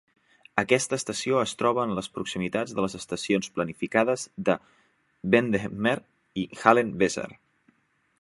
Aquesta estació es troba en les proximitats de les estacions planificades de Bendemeer i Halen Besar.